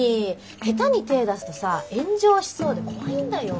下手に手出すとさ炎上しそうで怖いんだよ。